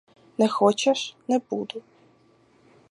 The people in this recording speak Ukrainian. Не хочеш — не буду.